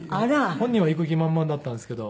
本人は行く気満々だったんですけど。